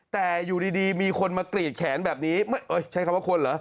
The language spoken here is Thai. แต่อยู่ดีมีคนมากรีดแขนแบบนี้ใช้คำว่าคนเหรอ